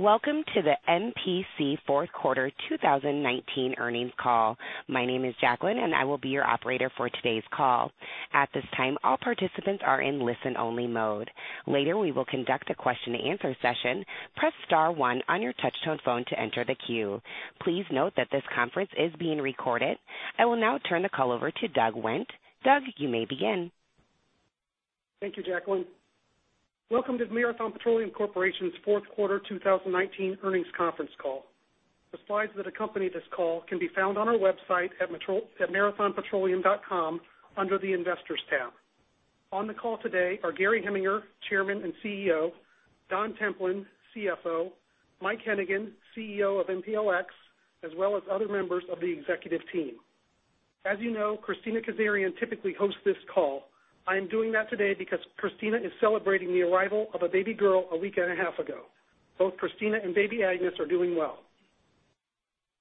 Welcome to the MPC fourth quarter 2019 earnings call. My name is Jacqueline, and I will be your Operator for today's call. At this time, all participants are in listen-only mode. Later, we will conduct a question-and-answer session. Press star one on your touch-tone phone to enter the queue. Please note that this conference is being recorded. I will now turn the call over to Doug Wendt. Doug, you may begin. Thank you, Jacqueline. Welcome to the Marathon Petroleum Corporation's fourth quarter 2019 earnings conference call. The slides that accompany this call can be found on our website at marathonpetroleum.com under the Investors tab. On the call today are Gary Heminger, Chairman and Chief Executive Officer, Don Templin, Chief Financial Officer, Mike Hennigan, Chief Executive Officer of MPLX, as well as other members of the Executive team. As you know, Kristina Kazarian typically hosts this call. I am doing that today because Kristina is celebrating the arrival of a baby girl a week and a half ago. Both Kristina and baby Agnes are doing well.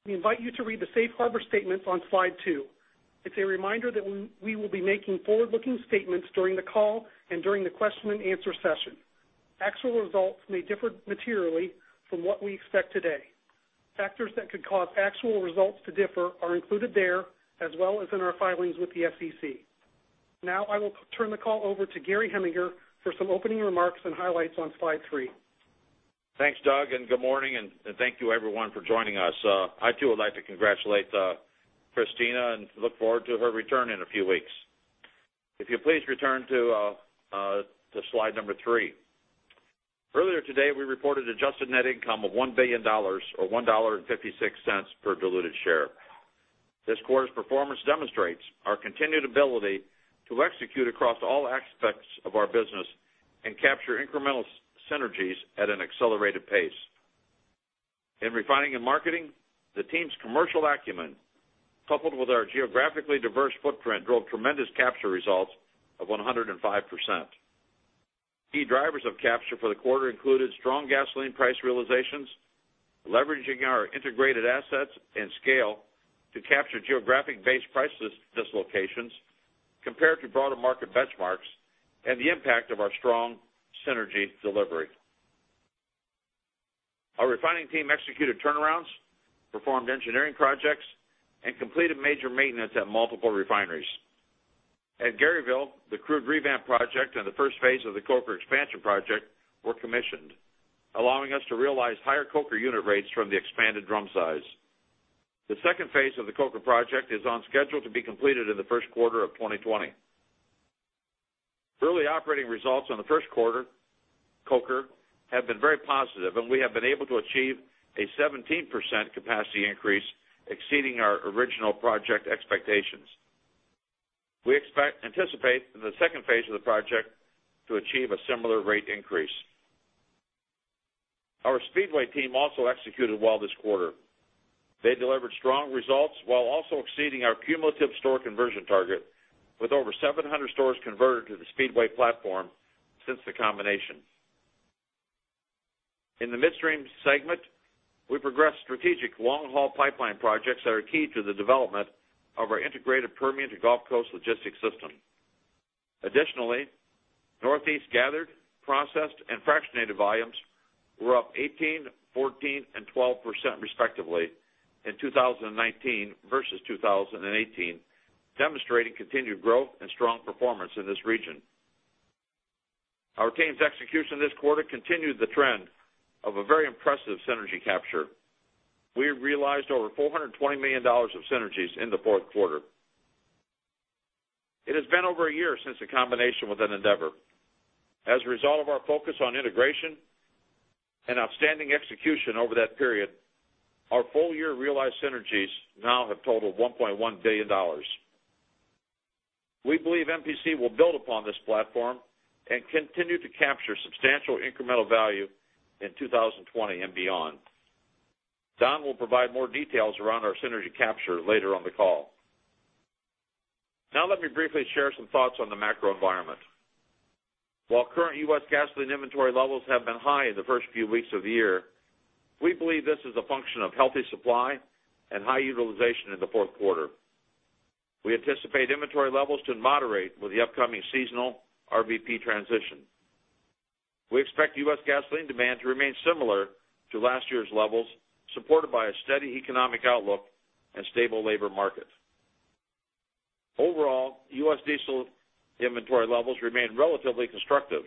We invite you to read the safe harbor statements on slide two. It's a reminder that we will be making forward-looking statements during the call and during the question and answer session. Actual results may differ materially from what we expect today. Factors that could cause actual results to differ are included there, as well as in our filings with the SEC. I will turn the call over to Gary Heminger for some opening remarks and highlights on slide three. Thanks, Doug, and good morning, and thank you everyone for joining us. I, too, would like to congratulate Kristina and look forward to her return in a few weeks. If you'd please return to slide number three. Earlier today, we reported adjusted net income of $1 billion, or $1.56 per diluted share. This quarter's performance demonstrates our continued ability to execute across all aspects of our business and capture incremental synergies at an accelerated pace. In Refining and Marketing, the team's commercial acumen, coupled with our geographically diverse footprint, drove tremendous capture results of 105%. Key drivers of capture for the quarter included strong gasoline price realizations, leveraging our integrated assets and scale to capture geographic-based price dislocations compared to broader market benchmarks, and the impact of our strong synergy delivery. Our refining team executed turnarounds, performed engineering projects, and completed major maintenance at multiple refineries. At Garyville, the crude revamp project and the first phase of the coker expansion project were commissioned, allowing us to realize higher coker unit rates from the expanded drum size. The second phase of the coker project is on schedule to be completed in the first quarter of 2020. Early operating results on the first quarter coker have been very positive, and we have been able to achieve a 17% capacity increase exceeding our original project expectations. We anticipate in the second phase of the project to achieve a similar rate increase. Our Speedway team also executed well this quarter. They delivered strong results while also exceeding our cumulative store conversion target with over 700 stores converted to the Speedway platform since the combination. In the midstream segment, we progressed strategic long-haul pipeline projects that are key to the development of our integrated Permian to Gulf Coast logistics system. Additionally, Northeast gathered, processed, and fractionated volumes were up 18%, 14%, and 12% respectively in 2019 versus 2018, demonstrating continued growth and strong performance in this region. Our team's execution this quarter continued the trend of a very impressive synergy capture. We realized over $420 million of synergies in the fourth quarter. It has been over a year since the combination with Andeavor. As a result of our focus on integration and outstanding execution over that period, our full-year realized synergies now have totaled $1.1 billion. We believe MPC will build upon this platform and continue to capture substantial incremental value in 2020 and beyond. Don will provide more details around our synergy capture later on the call. Let me briefly share some thoughts on the macro environment. While current U.S. gasoline inventory levels have been high in the first few weeks of the year, we believe this is a function of healthy supply and high utilization in the fourth quarter. We anticipate inventory levels to moderate with the upcoming seasonal RVP transition. We expect U.S. gasoline demand to remain similar to last year's levels, supported by a steady economic outlook and stable labor market. Overall, U.S. diesel inventory levels remain relatively constructive,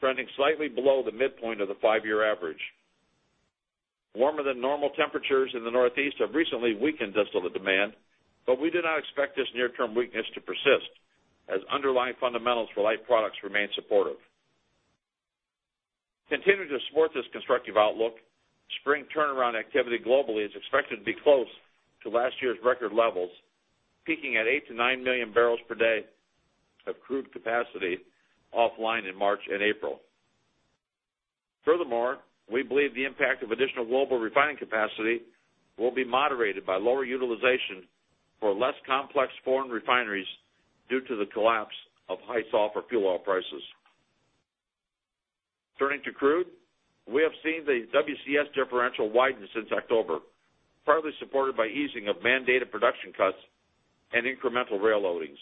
trending slightly below the midpoint of the five-year average. Warmer than normal temperatures in the Northeast have recently weakened diesel demand, but we do not expect this near-term weakness to persist as underlying fundamentals for light products remain supportive. Continuing to support this constructive outlook, spring turnaround activity globally is expected to be close to last year's record levels, peaking at 8 million barrels per day-9 million barrels per day of crude capacity offline in March and April. Furthermore, we believe the impact of additional global refining capacity will be moderated by lower utilization for less complex foreign refineries due to the collapse of high sulfur fuel oil prices. Turning to crude, we have seen the WCS differential widen since October, partly supported by easing of mandated production cuts and incremental rail loadings.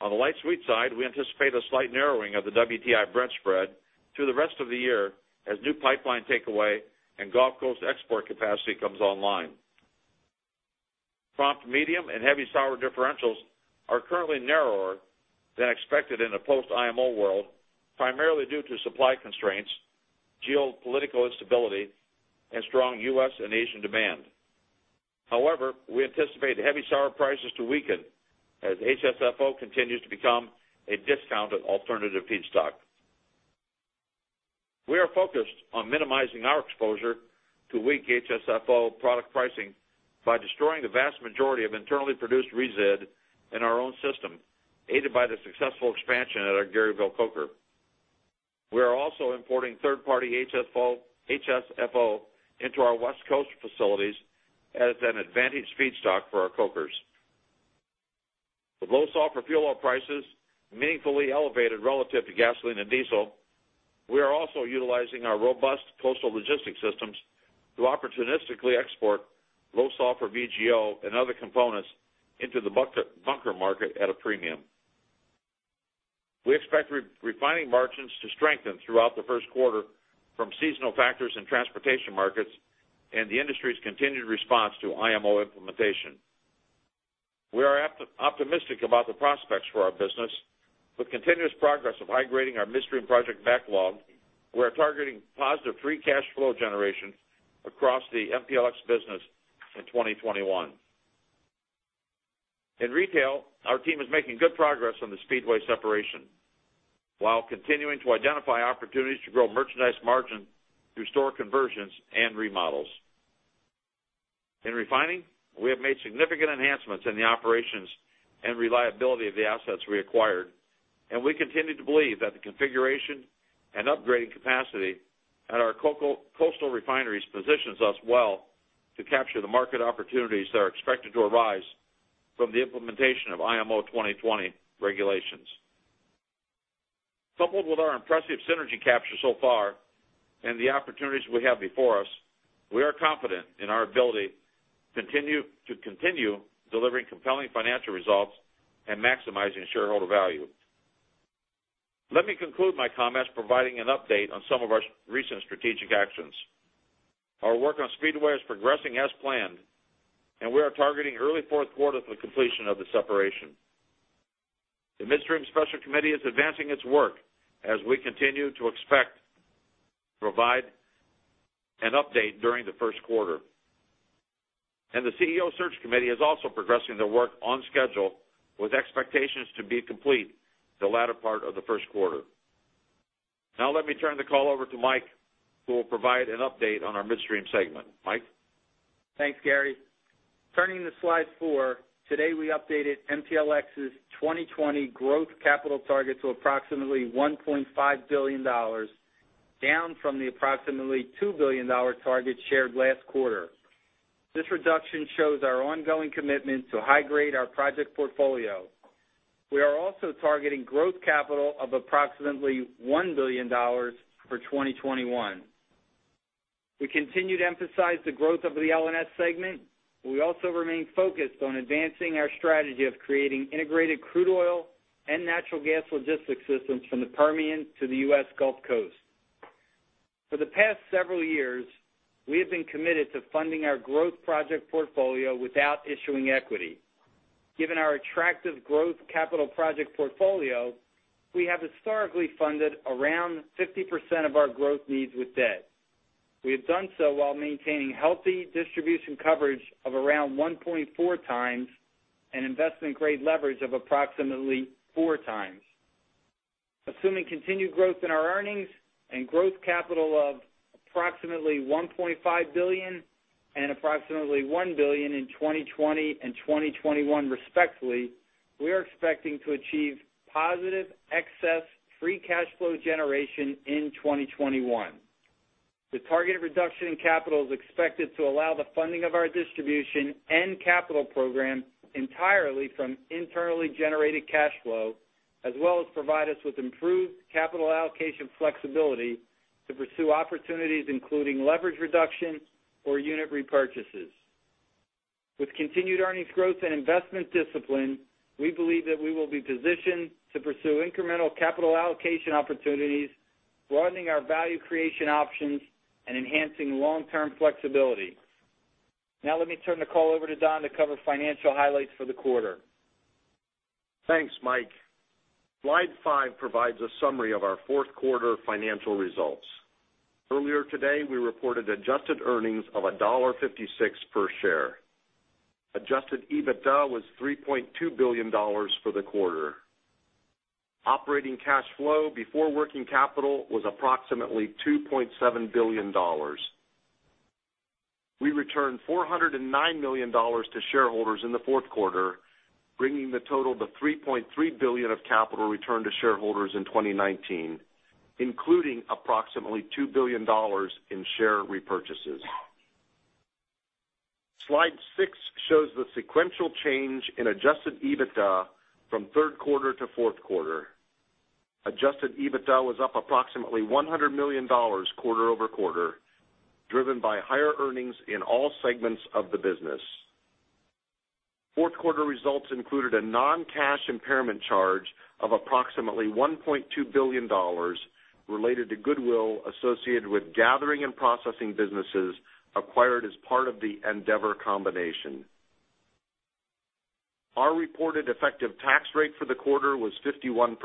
On the light sweet side, we anticipate a slight narrowing of the WTI Brent spread through the rest of the year as new pipeline takeaway and Gulf Coast export capacity comes online. Prompt medium and heavy sour differentials are currently narrower than expected in a post IMO world, primarily due to supply constraints, geopolitical instability, and strong U.S. and Asian demand. We anticipate heavy sour prices to weaken as HSFO continues to become a discounted alternative feedstock. We are focused on minimizing our exposure to weak HSFO product pricing by destroying the vast majority of internally produced resid in our own system, aided by the successful expansion at our Garyville coker. We are also importing third-party HSFO into our West Coast facilities as an advantage feedstock for our cokers. With low sulfur fuel oil prices meaningfully elevated relative to gasoline and diesel, we are also utilizing our robust coastal logistics systems to opportunistically export low sulfur VGO and other components into the bunker market at a premium. We expect refining margins to strengthen throughout the first quarter from seasonal factors in transportation markets and the industry's continued response to IMO implementation. We are optimistic about the prospects for our business. With continuous progress of high-grading our midstream project backlog, we are targeting positive free cash flow generation across the MPLX business in 2021. In retail, our team is making good progress on the Speedway separation while continuing to identify opportunities to grow merchandise margin through store conversions and remodels. In refining, we have made significant enhancements in the operations and reliability of the assets we acquired, and we continue to believe that the configuration and upgrading capacity at our coastal refineries positions us well to capture the market opportunities that are expected to arise from the implementation of IMO 2020 regulations. Coupled with our impressive synergy capture so far and the opportunities we have before us, we are confident in our ability to continue delivering compelling financial results and maximizing shareholder value. Let me conclude my comments providing an update on some of our recent strategic actions. Our work on Speedway is progressing as planned, and we are targeting early fourth quarter for the completion of the separation. The Midstream Special Committee is advancing its work as we continue to expect to provide an update during the first quarter. The Chief Executive Officer Search Committee is also progressing their work on schedule with expectations to be complete the latter part of the first quarter. Let me turn the call over to Mike, who will provide an update on our midstream segment. Mike? Thanks, Gary. Turning to slide four. Today, we updated MPLX's 2020 growth capital target to approximately $1.5 billion, down from the approximately $2 billion target shared last quarter. This reduction shows our ongoing commitment to high-grade our project portfolio. We are also targeting growth capital of approximately $1 billion for 2021. We continue to emphasize the growth of the L&S segment. We also remain focused on advancing our strategy of creating integrated crude oil and natural gas logistics systems from the Permian to the U.S. Gulf Coast. For the past several years, we have been committed to funding our growth project portfolio without issuing equity. Given our attractive growth capital project portfolio, we have historically funded around 50% of our growth needs with debt. We have done so while maintaining healthy distribution coverage of around 1.4x and investment-grade leverage of approximately 4x. Assuming continued growth in our earnings and growth capital of approximately $1.5 billion and approximately $1 billion in 2020 and 2021, respectively, we are expecting to achieve positive excess free cash flow generation in 2021. The targeted reduction in capital is expected to allow the funding of our distribution and capital program entirely from internally generated cash flow as well as provide us with improved capital allocation flexibility to pursue opportunities including leverage reduction or unit repurchases. With continued earnings growth and investment discipline, we believe that we will be positioned to pursue incremental capital allocation opportunities, broadening our value creation options and enhancing long-term flexibility. Let me turn the call over to Don to cover financial highlights for the quarter. Thanks, Mike. Slide five provides a summary of our fourth quarter financial results. Earlier today, we reported adjusted earnings of $1.56 per share. Adjusted EBITDA was $3.2 billion for the quarter. Operating cash flow before working capital was approximately $2.7 billion. We returned $409 million to shareholders in the fourth quarter, bringing the total to $3.3 billion of capital returned to shareholders in 2019, including approximately $2 billion in share repurchases. Slide six shows the sequential change in adjusted EBITDA from third quarter to fourth quarter. Adjusted EBITDA was up approximately $100 million quarter-over-quarter, driven by higher earnings in all segments of the business. Fourth quarter results included a non-cash impairment charge of approximately $1.2 billion related to goodwill associated with gathering and processing businesses acquired as part of the Andeavor combination. Our reported effective tax rate for the quarter was 51%.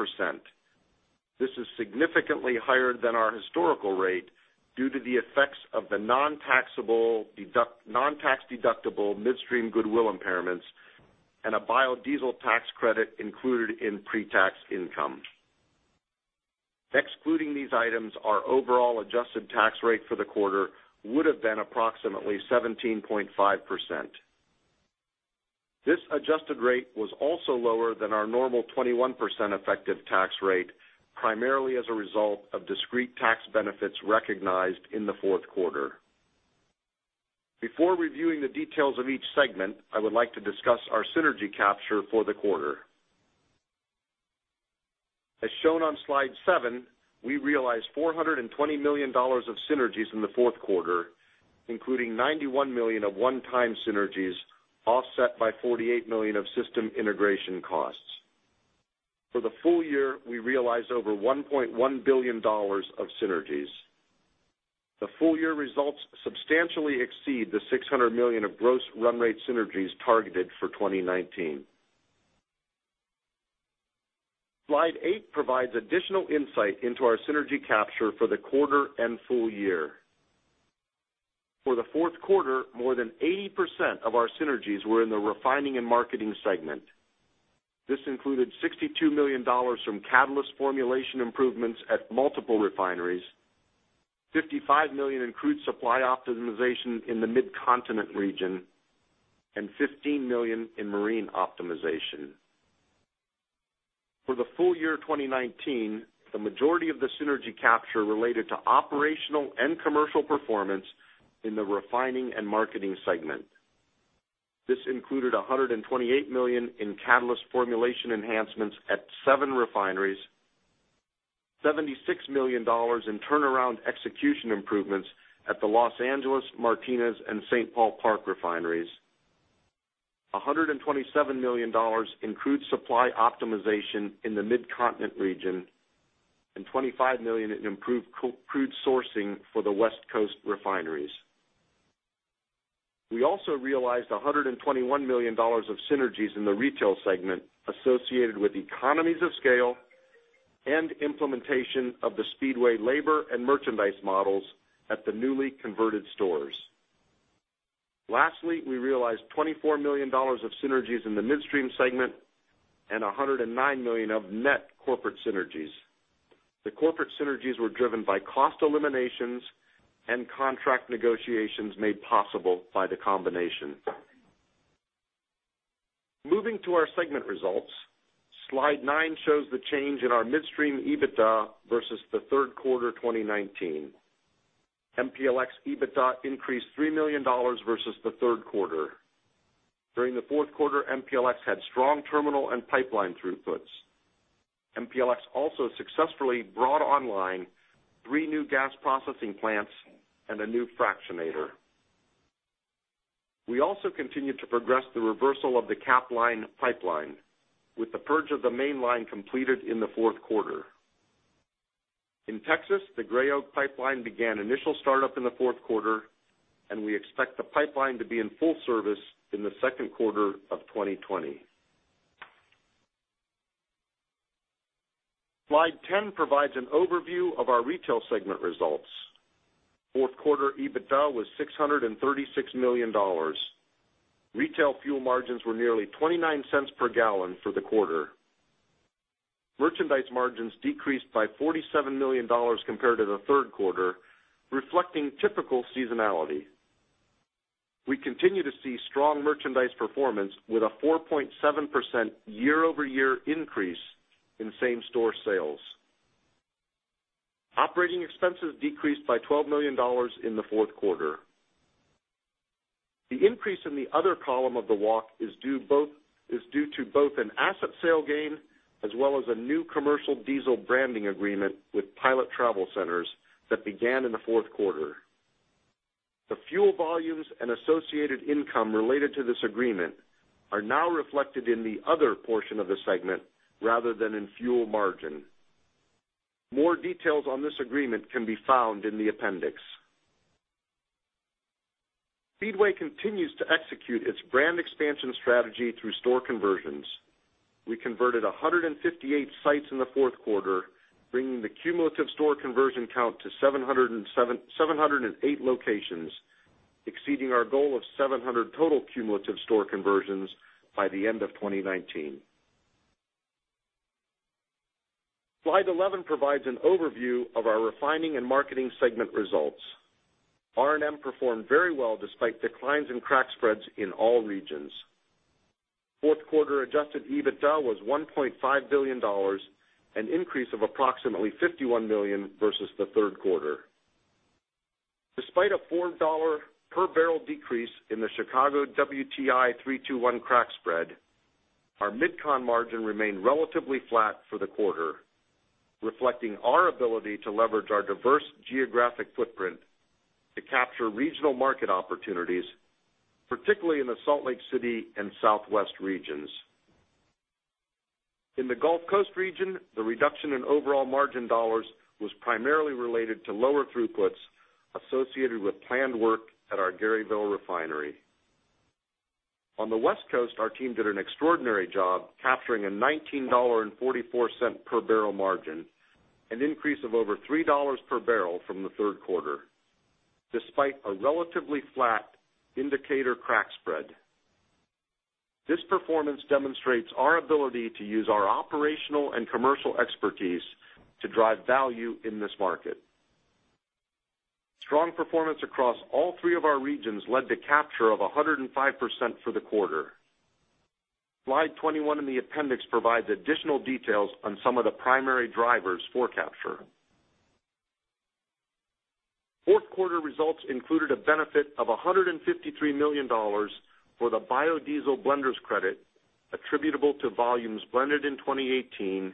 This is significantly higher than our historical rate due to the effects of the non-tax deductible midstream goodwill impairments and a biodiesel tax credit included in pre-tax income. Excluding these items, our overall adjusted tax rate for the quarter would've been approximately 17.5%. This adjusted rate was also lower than our normal 21% effective tax rate, primarily as a result of discrete tax benefits recognized in the fourth quarter. Before reviewing the details of each segment, I would like to discuss our synergy capture for the quarter. As shown on slide seven, we realized $420 million of synergies in the fourth quarter, including $91 million of one-time synergies, offset by $48 million of system integration costs. For the full year, we realized over $1.1 billion of synergies. The full-year results substantially exceed the $600 million of gross run rate synergies targeted for 2019. Slide eight provides additional insight into our synergy capture for the quarter and full year. For the fourth quarter, more than 80% of our synergies were in the Refining and Marketing Segment. This included $62 million from catalyst formulation improvements at multiple refineries, $55 million in crude supply optimization in the Mid-Continent region, and $15 million in marine optimization. For the full year 2019, the majority of the synergy capture related to operational and commercial performance in the Refining and Marketing Segment. This included $128 million in catalyst formulation enhancements at seven refineries, $76 million in turnaround execution improvements at the Los Angeles, Martinez, and St. Paul Park refineries, $127 million in crude supply optimization in the Mid-Continent region, and $25 million in improved crude sourcing for the West Coast refineries. We also realized $121 million of synergies in the retail segment associated with economies of scale and implementation of the Speedway labor and merchandise models at the newly converted stores. Lastly, we realized $24 million of synergies in the midstream segment and $109 million of net corporate synergies. The corporate synergies were driven by cost eliminations and contract negotiations made possible by the combination. Moving to our segment results. Slide nine shows the change in our midstream EBITDA versus the third quarter 2019. MPLX EBITDA increased $3 million versus the third quarter. During the fourth quarter, MPLX had strong terminal and pipeline throughputs. MPLX also successfully brought online three new gas processing plants and a new fractionator. We also continued to progress the reversal of the Capline pipeline, with the purge of the main line completed in the fourth quarter. In Texas, the Gray Oak Pipeline began initial startup in the fourth quarter, and we expect the Pipeline to be in full service in the second quarter of 2020. Slide 10 provides an overview of our retail segment results. Fourth quarter EBITDA was $636 million. Retail fuel margins were nearly $0.29 per gallon for the quarter. Merchandise margins decreased by $47 million compared to the third quarter, reflecting typical seasonality. We continue to see strong merchandise performance with a 4.7% year-over-year increase in same-store sales. Operating expenses decreased by $12 million in the fourth quarter. The increase in the other column of the walk is due to both an asset sale gain as well as a new commercial diesel branding agreement with Pilot Travel Centers that began in the fourth quarter. The fuel volumes and associated income related to this agreement are now reflected in the other portion of the segment rather than in fuel margin. More details on this agreement can be found in the appendix. Speedway continues to execute its brand expansion strategy through store conversions. We converted 158 sites in the fourth quarter, bringing the cumulative store conversion count to 708 locations, exceeding our goal of 700 total cumulative store conversions by the end of 2019. Slide 11 provides an overview of our refining and marketing segment results. R&M performed very well despite declines in crack spreads in all regions. Fourth quarter adjusted EBITDA was $1.5 billion, an increase of approximately $51 million versus the third quarter. Despite a $4 per barrel decrease in the Chicago WTI 3-2-1 crack spread, our MidCon margin remained relatively flat for the quarter, reflecting our ability to leverage our diverse geographic footprint to capture regional market opportunities, particularly in the Salt Lake City and Southwest regions. In the Gulf Coast region, the reduction in overall margin dollars was primarily related to lower throughputs associated with planned work at our Garyville refinery. On the West Coast, our team did an extraordinary job capturing a $19.44 per barrel margin, an increase of over $3 per barrel from the third quarter, despite a relatively flat indicator crack spread. This performance demonstrates our ability to use our operational and commercial expertise to drive value in this market. Strong performance across all three of our regions led to capture of 105% for the quarter. Slide 21 in the appendix provides additional details on some of the primary drivers for capture. Fourth quarter results included a benefit of $153 million for the biodiesel blender's credit attributable to volumes blended in 2018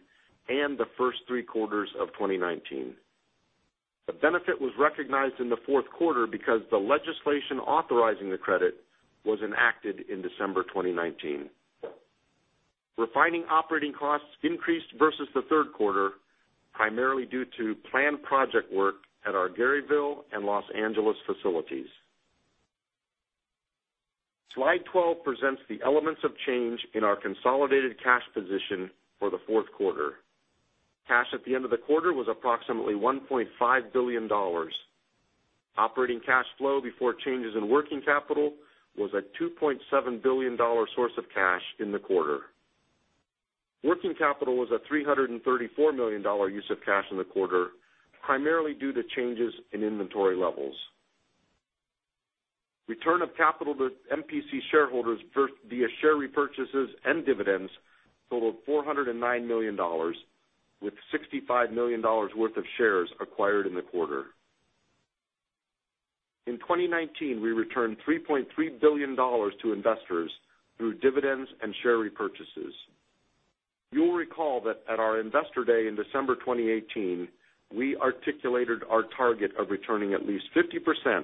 and the first three quarters of 2019. The benefit was recognized in the fourth quarter because the legislation authorizing the credit was enacted in December 2019. Refining operating costs increased versus the third quarter, primarily due to planned project work at our Garyville and Los Angeles facilities. Slide 12 presents the elements of change in our consolidated cash position for the fourth quarter. Cash at the end of the quarter was approximately $1.5 billion. Operating cash flow before changes in working capital was a $2.7 billion source of cash in the quarter. Working capital was a $334 million use of cash in the quarter, primarily due to changes in inventory levels. Return of capital to MPC shareholders via share repurchases and dividends totaled $409 million, with $65 million worth of shares acquired in the quarter. In 2019, we returned $3.3 billion to investors through dividends and share repurchases. You will recall that at our Investor Day in December 2018, we articulated our target of returning at least 50%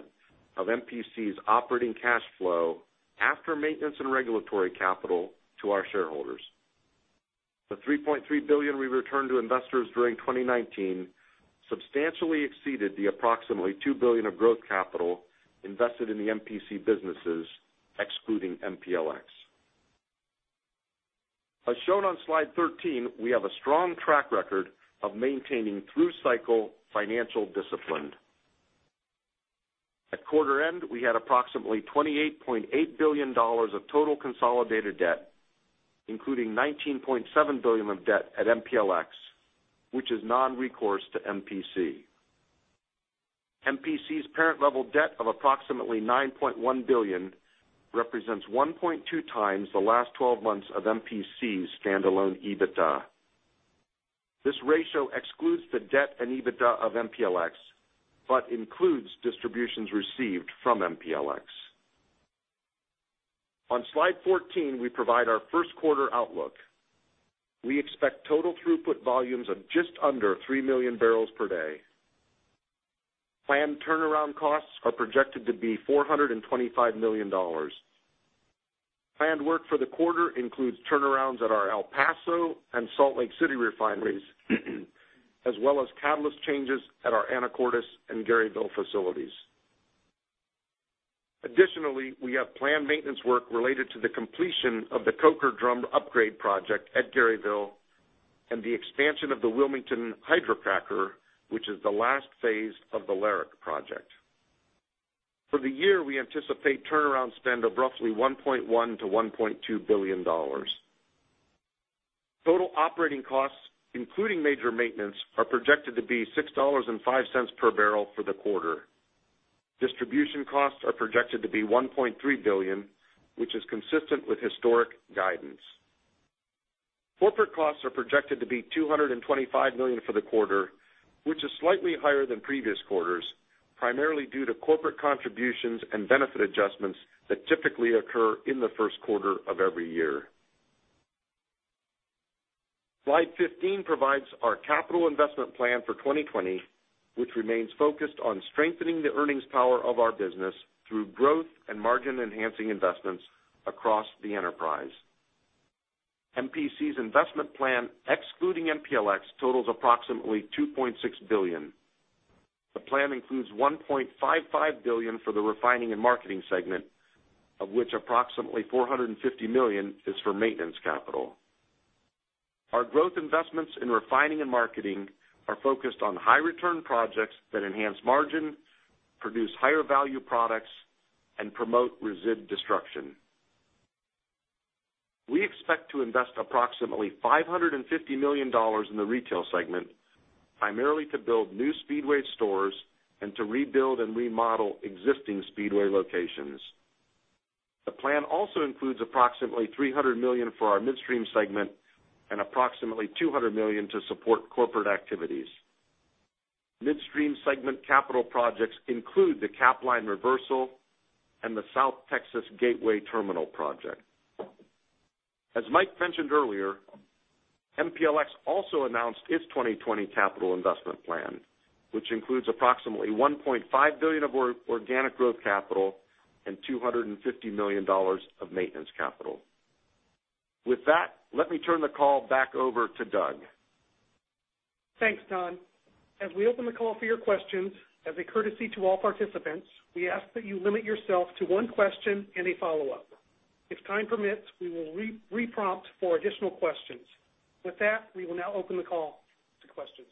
of MPC's operating cash flow, after maintenance and regulatory capital, to our shareholders. The $3.3 billion we returned to investors during 2019 substantially exceeded the approximately $2 billion of growth capital invested in the MPC businesses, excluding MPLX. As shown on slide 13, we have a strong track record of maintaining through-cycle financial discipline. At quarter end, we had approximately $28.8 billion of total consolidated debt, including $19.7 billion of debt at MPLX, which is non-recourse to MPC. MPC's parent level debt of approximately $9.1 billion represents 1.2x the last 12 months of MPC's standalone EBITDA. This ratio excludes the debt and EBITDA of MPLX, but includes distributions received from MPLX. On slide 14, we provide our first quarter outlook. We expect total throughput volumes of just under 3 million barrels per day. Planned turnaround costs are projected to be $425 million. Planned work for the quarter includes turnarounds at our El Paso and Salt Lake City refineries, as well as catalyst changes at our Anacortes and Garyville facilities. Additionally, we have planned maintenance work related to the completion of the coker drum upgrade project at Garyville and the expansion of the Wilmington hydrocracker, which is the last phase of the LARIC Project. For the year, we anticipate turnaround spend of roughly $1.1 billion-$1.2 billion. Total operating costs, including major maintenance, are projected to be $6.05 per barrel for the quarter. Distribution costs are projected to be $1.3 billion, which is consistent with historic guidance. Corporate costs are projected to be $225 million for the quarter, which is slightly higher than previous quarters, primarily due to corporate contributions and benefit adjustments that typically occur in the first quarter of every year. Slide 15 provides our capital investment plan for 2020, which remains focused on strengthening the earnings power of our business through growth and margin-enhancing investments across the enterprise. MPC's investment plan, excluding MPLX, totals approximately $2.6 billion. The plan includes $1.55 billion for the Refining and Marketing segment, of which approximately $450 million is for maintenance capital. Our growth investments in Refining and Marketing are focused on high-return projects that enhance margin, produce higher-value products, and promote resid destruction. We expect to invest approximately $550 million in the retail segment, primarily to build new Speedway stores and to rebuild and remodel existing Speedway locations. The plan also includes approximately $300 million for our Midstream segment and approximately $200 million to support corporate activities. Midstream segment capital projects include the Capline reversal and the South Texas Gateway Terminal project. As Mike mentioned earlier, MPLX also announced its 2020 capital investment plan, which includes approximately $1.5 billion of organic growth capital and $250 million of maintenance capital. With that, let me turn the call back over to Doug. Thanks, Don. As we open the call for your questions, as a courtesy to all participants, we ask that you limit yourself to one question and a follow-up. If time permits, we will re-prompt for additional questions. With that, we will now open the call to questions.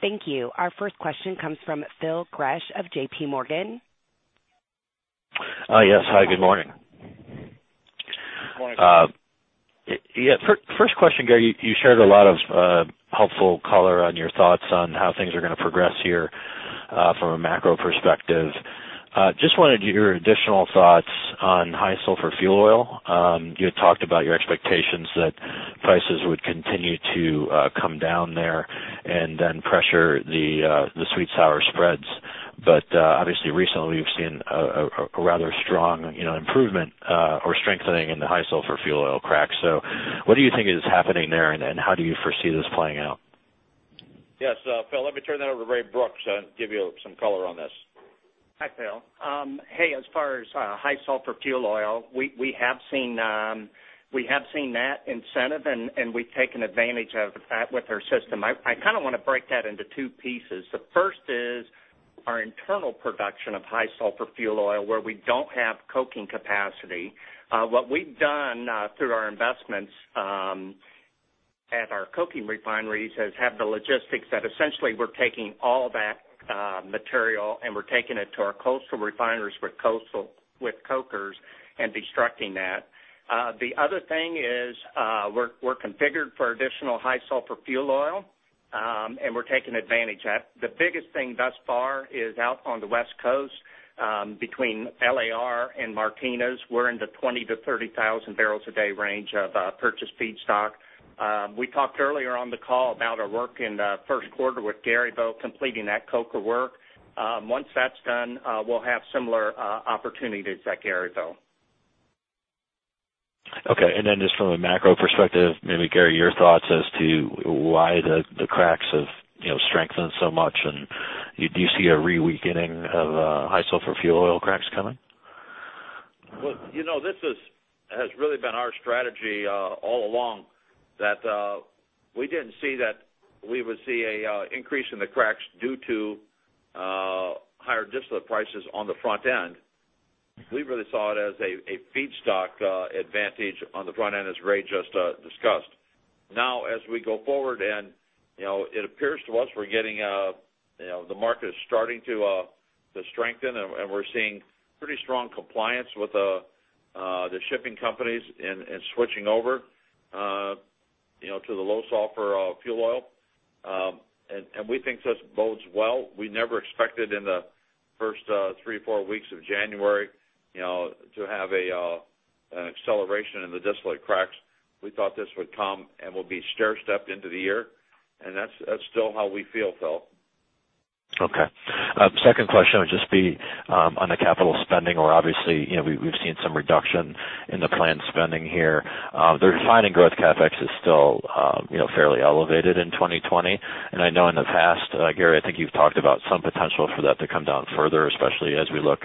Thank you. Our first question comes from Phil Gresh of JPMorgan. Hi. Yes. Good morning? Good morning, Phil. First question, Gary, you shared a lot of helpful color on your thoughts on how things are going to progress here from a macro perspective. Just wanted your additional thoughts on high sulfur fuel oil. You had talked about your expectations that prices would continue to come down there and then pressure the sweet sour spreads. Obviously recently we've seen a rather strong improvement or strengthening in the high sulfur fuel oil crack. What do you think is happening there, and how do you foresee this playing out? Yes, Phil, let me turn that over to Ray Brooks to give you some color on this. Hi, Phil. As far as high sulfur fuel oil, we have seen that incentive, and we've taken advantage of that with our system. I kind of want to break that into two pieces. The first is our internal production of high sulfur fuel oil, where we don't have coking capacity. What we've done through our investments at our coking refineries has had the logistics that essentially we're taking all that material, and we're taking it to our coastal refineries with cokers and destructing that. The other thing is we're configured for additional high sulfur fuel oil, and we're taking advantage of that. The biggest thing thus far is out on the West Coast between LAR and Martinez. We're in the 20,000 bpd-30,000 bpd range of purchased feedstock. We talked earlier on the call about our work in the first quarter with Garyville completing that coker work. Once that's done, we'll have similar opportunities at Garyville. Okay. Just from a macro perspective, maybe, Gary, your thoughts as to why the cracks have strengthened so much, and do you see a re-weakening of high sulfur fuel oil cracks coming? This has really been our strategy all along, that we didn't see that we would see an increase in the cracks due to higher distillate prices on the front end. We really saw it as a feedstock advantage on the front end, as Ray just discussed. As we go forward and it appears to us the market is starting to strengthen, and we're seeing pretty strong compliance with the shipping companies in switching over to the low sulfur fuel oil. We think this bodes well. We never expected in the first three, four weeks of January to have an acceleration in the distillate cracks. We thought this would come and will be stair-stepped into the year. That's still how we feel, Phil. Okay. Second question would just be on the capital spending where obviously we've seen some reduction in the planned spending here. The refining growth CapEx is still fairly elevated in 2020, I know in the past, Gary, I think you've talked about some potential for that to come down further, especially as we look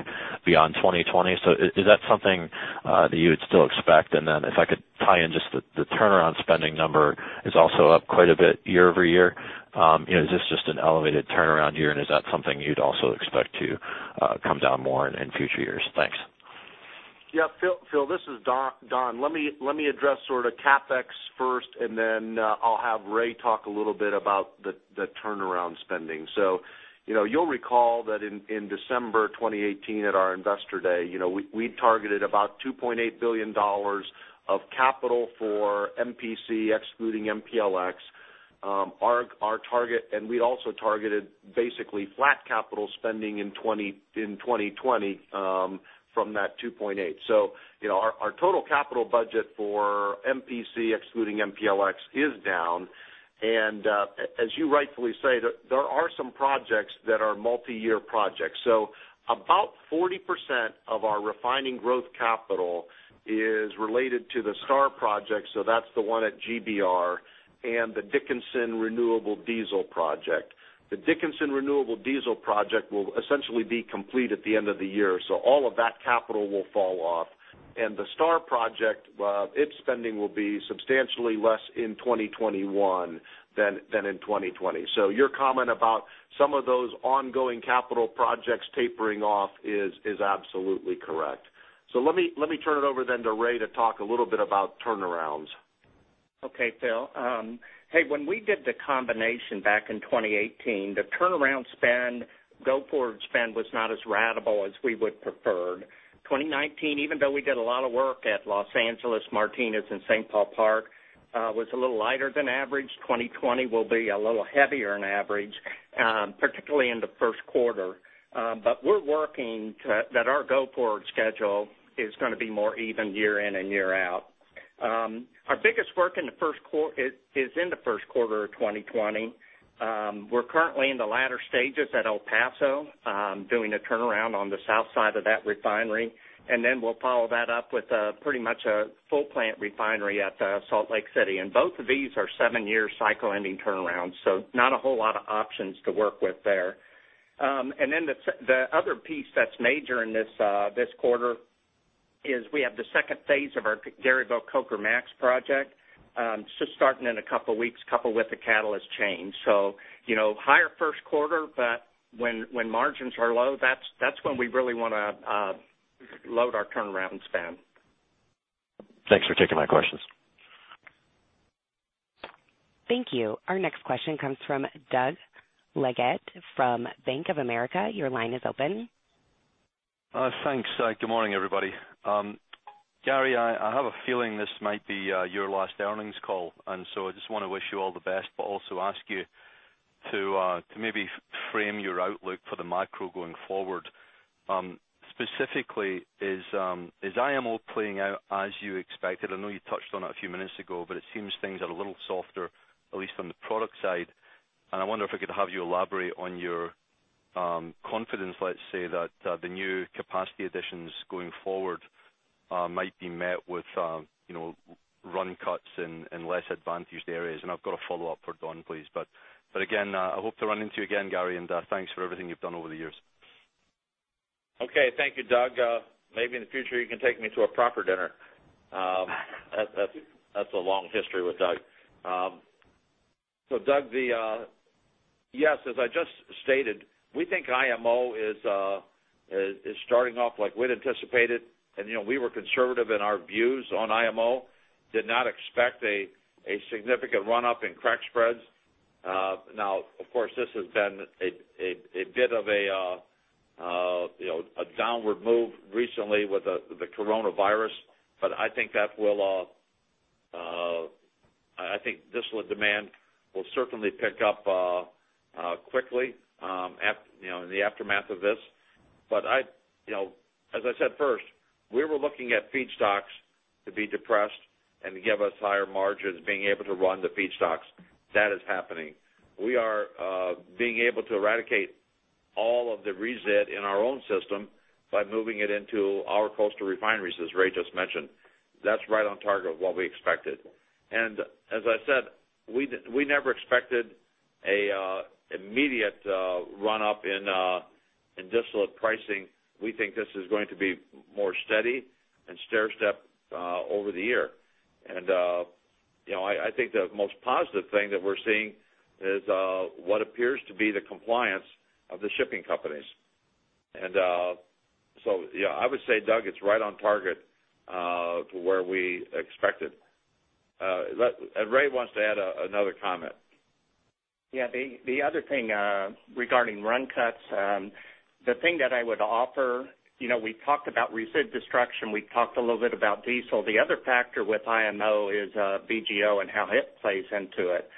beyond 2020. Is that something that you would still expect? If I could tie in just the turnaround spending number is also up quite a bit year-over-year. Is this just an elevated turnaround year, is that something you'd also expect to come down more in future years? Thanks. Yeah. Phil, this is Don. Let me address sort of CapEx first, and then I'll have Ray talk a little bit about the turnaround spending. You'll recall that in December 2018 at our Investor Day, we targeted about $2.8 billion of capital for MPC, excluding MPLX. We also targeted basically flat capital spending in 2020 from that $2.8 billion. Our total capital budget for MPC, excluding MPLX, is down, and as you rightfully say, there are some projects that are multi-year projects. About 40% of our refining growth capital is related to the STAR Project. That's the one at GBR and the Dickinson Renewable Diesel project. The Dickinson Renewable Diesel project will essentially be complete at the end of the year, so all of that capital will fall off. The STAR Project, its spending will be substantially less in 2021 than in 2020. Your comment about some of those ongoing capital projects tapering off is absolutely correct. Let me turn it over then to Ray to talk a little bit about turnarounds. Okay, Phil. When we did the combination back in 2018, the turnaround spend, go-forward spend was not as ratable as we would preferred. 2019, even though we did a lot of work at Los Angeles, Martinez, and St. Paul Park was a little lighter than average. 2020 will be a little heavier than average, particularly in the first quarter. We're working that our go-forward schedule is going to be more even year in and year out. Our biggest work is in the first quarter of 2020. We're currently in the latter stages at El Paso, doing a turnaround on the south side of that refinery, and then we'll follow that up with pretty much a full plant refinery at Salt Lake City. Both of these are seven-year cycle-ending turnarounds, so not a whole lot of options to work with there. The other piece that's major in this quarter is we have the second phase of our Garyville Coker MAX project. It's just starting in a couple of weeks, coupled with a catalyst change. Higher first quarter, but when margins are low, that's when we really want to load our turnaround spend. Thanks for taking my questions. Thank you. Our next question comes from Doug Leggate from Bank of America, your line is open. Thanks. Good morning everybody? Gary, I have a feeling this might be your last earnings call, so I just want to wish you all the best, but also ask you to maybe frame your outlook for the macro going forward. Specifically, is IMO playing out as you expected? I know you touched on it a few minutes ago, but it seems things are a little softer, at least on the product side. I wonder if I could have you elaborate on your confidence, let's say, that the new capacity additions going forward might be met with run cuts in less advantaged areas. I've got a follow-up for Don, please. Again, I hope to run into you again, Gary, and thanks for everything you've done over the years. Thank you, Doug. Maybe in the future, you can take me to a proper dinner. That's a long history with Doug. Doug, yes, as I just stated, we think IMO is starting off like we'd anticipated. We were conservative in our views on IMO. Did not expect a significant run-up in crack spreads. Of course, this has been a bit of a downward move recently with the coronavirus, but I think distillate demand will certainly pick up quickly in the aftermath of this. As I said first, we were looking at feedstocks to be depressed and to give us higher margins, being able to run the feedstocks. That is happening. We are being able to eradicate all of the resid in our own system by moving it into our coastal refineries, as Ray just mentioned. That's right on target of what we expected. As I said, we never expected an immediate run-up in distillate pricing. We think this is going to be more steady and stairstep over the year. I think the most positive thing that we're seeing is what appears to be the compliance of the shipping companies. Yeah, I would say, Doug, it's right on target to where we expected. Ray wants to add another comment. Yeah. The other thing regarding run cuts, the thing that I would offer, we talked about resid destruction, we talked a little bit about diesel. The other factor with IMO is VGO and how it plays into it.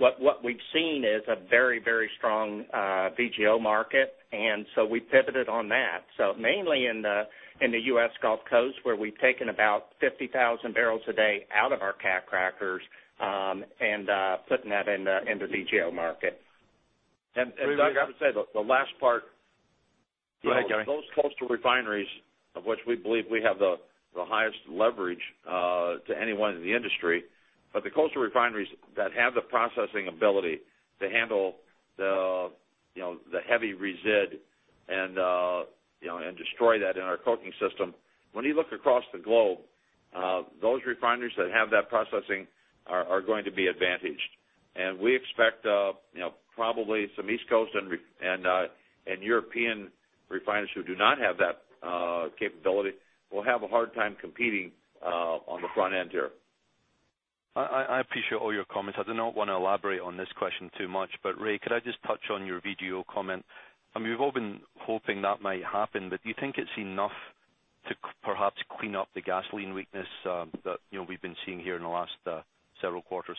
What we've seen is a very strong VGO market, and so we pivoted on that. Mainly in the U.S. Gulf Coast, where we've taken about 50,000 bpd out of our cat crackers and putting that into VGO market. Doug, I would say the last part. Go ahead, Gary. Those coastal refineries, of which we believe we have the highest leverage to anyone in the industry, but the coastal refineries that have the processing ability to handle the heavy resid and destroy that in our coking system. When you look across the globe, those refineries that have that processing are going to be advantaged. We expect probably some East Coast and European refineries who do not have that capability will have a hard time competing on the front end here. I appreciate all your comments. I do not want to elaborate on this question too much, Ray, could I just touch on your VGO comment? We've all been hoping that might happen, do you think it's enough to perhaps clean up the gasoline weakness that we've been seeing here in the last several quarters?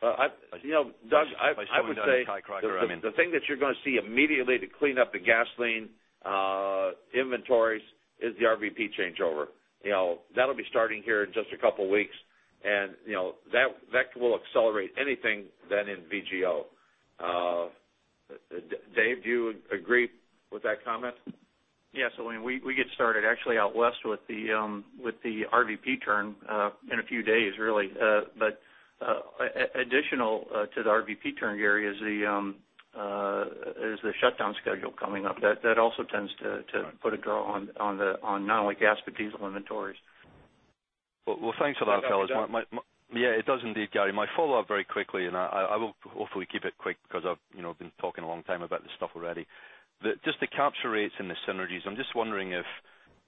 Doug, I would say- By slowing down the cat cracker, I mean The thing that you're going to see immediately to clean up the gasoline inventories is the RVP changeover. That'll be starting here in just a couple of weeks, and that vector will accelerate anything than in VGO. Dave, do you agree with that comment? Yes. We get started actually out west with the RVP turn in a few days, really. Additional to the RVP turn, Gary, is the shutdown schedule coming up. That also tends to put a draw on not only gas but diesel inventories. Well, thanks for that, fellas. Does that answer that? Yeah, it does indeed, Gary. My follow-up very quickly, and I will hopefully keep it quick because I've been talking a long time about this stuff already. Just the capture rates and the synergies, I'm just wondering if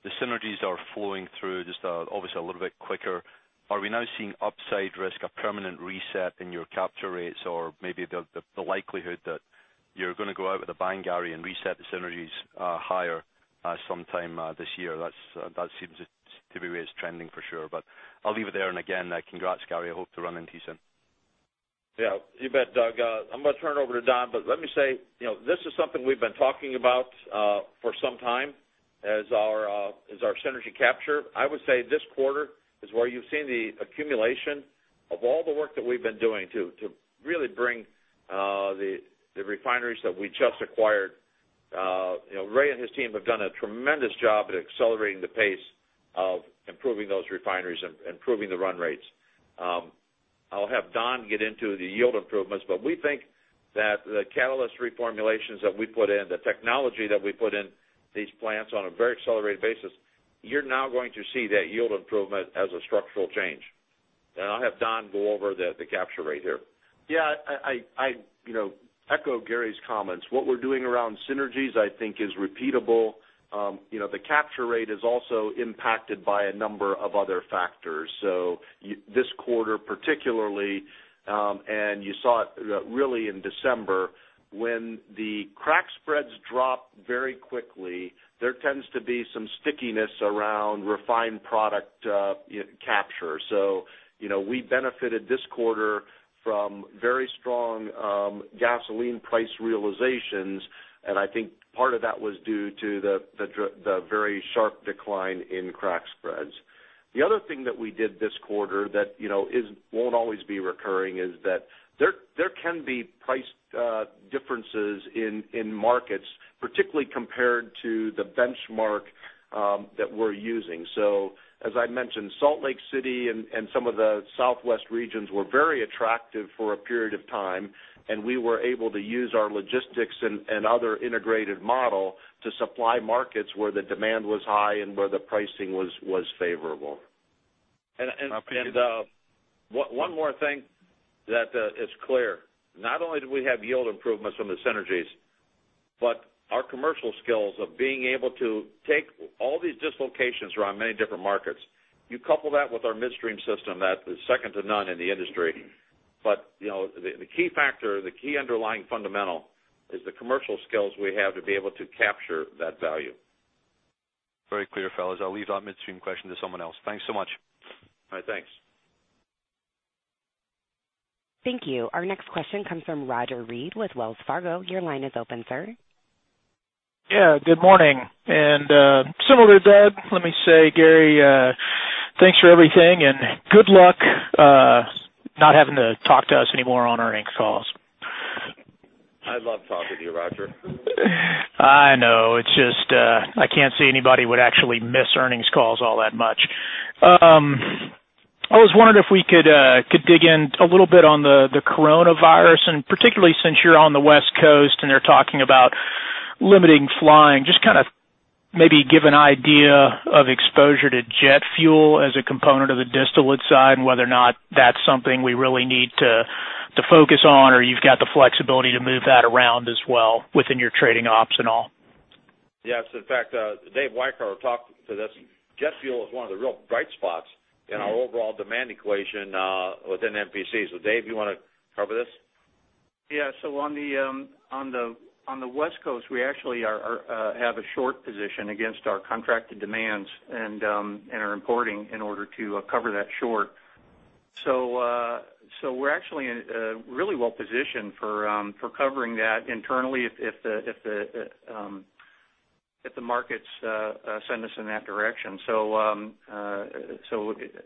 the synergies are flowing through just obviously a little bit quicker. Are we now seeing upside risk, a permanent reset in your capture rates or maybe the likelihood that you're going to go out with a bang, Gary, and reset the synergies higher sometime this year. That seems to be where it's trending for sure. I'll leave it there, and again, congrats, Gary. I hope to run into you soon. You bet, Doug. I'm going to turn it over to Don, but let me say, this is something we've been talking about for some time as our synergy capture. I would say this quarter is where you've seen the accumulation of all the work that we've been doing to really bring the refineries that we just acquired. Ray and his team have done a tremendous job at accelerating the pace of improving those refineries and improving the run rates. I'll have Don get into the yield improvements, but we think that the catalyst reformulations that we put in, the technology that we put in these plants on a very accelerated basis, you're now going to see that yield improvement as a structural change. I'll have Don go over the capture rate here. Yeah. I echo Gary's comments. What we're doing around synergies, I think is repeatable. The capture rate is also impacted by a number of other factors. This quarter particularly, and you saw it really in December, when the crack spreads drop very quickly, there tends to be some stickiness around refined product capture. We benefited this quarter from very strong gasoline price realizations, and I think part of that was due to the very sharp decline in crack spreads. The other thing that we did this quarter that won't always be recurring is that there can be price differences in markets, particularly compared to the benchmark that we're using. As I mentioned, Salt Lake City and some of the Southwest regions were very attractive for a period of time, and we were able to use our logistics and other integrated model to supply markets where the demand was high and where the pricing was favorable. One more thing that is clear. Not only do we have yield improvements from the synergies, but our commercial skills of being able to take all these dislocations around many different markets, you couple that with our midstream system that is second to none in the industry. The key factor, the key underlying fundamental, is the commercial skills we have to be able to capture that value. Very clear, fellas. I'll leave that midstream question to someone else. Thanks so much. All right. Thanks. Thank you. Our next question comes from Roger Read with Wells Fargo, your line is open, sir. Yeah, good morning? Similar to Doug, let me say, Gary, thanks for everything and good luck not having to talk to us anymore on earnings calls. I love talking to you, Roger. I know. It's just, I can't see anybody would actually miss earnings calls all that much. I was wondering if we could dig in a little bit on the coronavirus, and particularly since you're on the West Coast and they're talking about limiting flying, just kind of maybe give an idea of exposure to jet fuel as a component of the distillate side, and whether or not that's something we really need to focus on, or you've got the flexibility to move that around as well within your trading ops and all? Yes. In fact, Dave Whikehart will talk to this. Jet fuel is one of the real bright spots in our overall demand equation within MPC. Dave, you want to cover this? Yeah. On the West Coast, we actually have a short position against our contracted demands and are importing in order to cover that short. We're actually really well-positioned for covering that internally if the markets send us in that direction.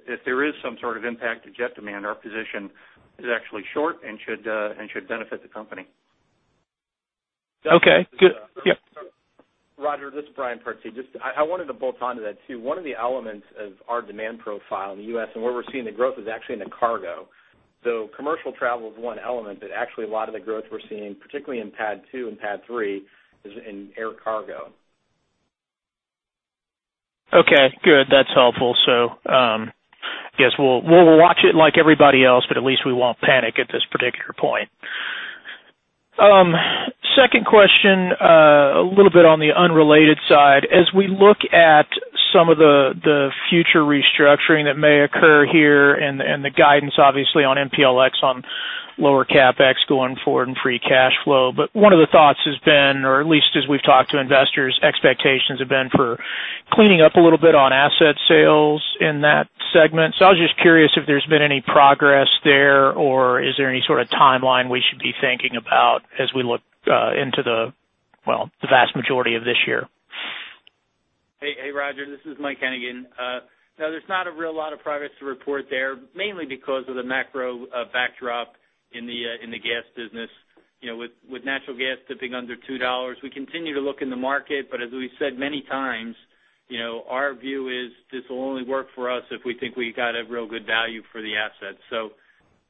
If there is some sort of impact to jet demand, our position is actually short and should benefit the company. Okay. Good. Yeah. Roger, this is Brian Partee. I wanted to bolt onto that, too. One of the elements of our demand profile in the U.S. and where we're seeing the growth is actually in the cargo. Commercial travel is one element, but actually a lot of the growth we're seeing, particularly in PADD 2 and PADD 3, is in air cargo. Good. That's helpful. I guess we'll watch it like everybody else, but at least we won't panic at this particular point. Second question, a little bit on the unrelated side. As we look at some of the future restructuring that may occur here and the guidance, obviously, on MPLX on lower CapEx going forward and free cash flow. One of the thoughts has been, or at least as we've talked to investors, expectations have been for cleaning up a little bit on asset sales in that segment. I was just curious if there's been any progress there, or is there any sort of timeline we should be thinking about as we look into the vast majority of this year? Hey, Roger. This is Mike Hennigan. No, there's not a real lot of progress to report there, mainly because of the macro backdrop in the gas business. With natural gas dipping under $2, we continue to look in the market, but as we've said many times, our view is this will only work for us if we think we got a real good value for the asset.